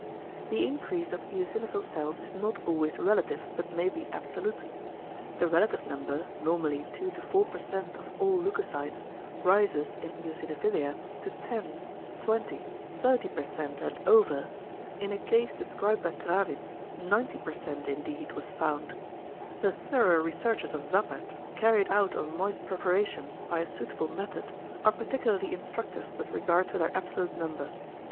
The increase of eosinophil cells is not always relative, but may be absolute. The relative number, normally 2 to 4% of all leucocytes, rises in eosinophilia to 10, 20, 30% and over; in a case described by Grawitz 90% indeed was found. The thorough researches of Zappert, carried out on moist preparations by a suitable method, are particularly instructive with regard to their absolute number.